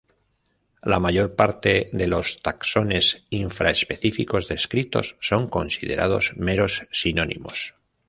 La mayor parte de los taxones infra-específicos descritos son considerados meros sinónimos.